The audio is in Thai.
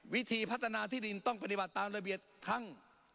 วิธีพัฒนาที่ดินต้องปฏิบัติตามระเบียบทั้ง